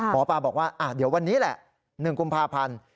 หมอปลาบอกว่าเดี๋ยววันนี้แหละ๑กุมภาพันธ์